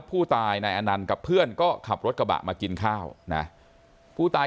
ผู้ตายนายอนันต์กับเพื่อนก็ขับรถกระบะมากินข้าวนะผู้ตาย